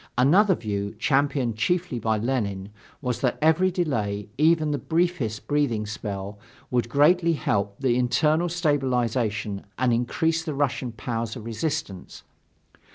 Another view, championed chiefly by Lenin, was that every delay, even the briefest breathing spell, would greatly help the internal stabilization and increase the Russian powers of resistance.